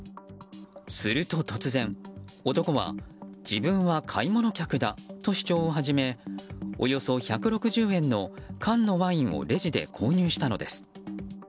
すると、突然男は自分は買い物客だと主張を始めおよそ１６０円の缶のワインをレジで購入したのです。